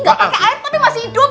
nggak pakai air tapi masih hidup